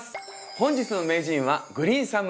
本日の名人はグリーンサム